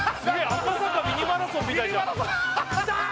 赤坂ミニマラソンみたいじゃん来たー！